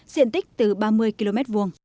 diện tích từ ba mươi km hai